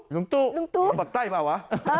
ลุงตู้บัดใต้เปล่าวะ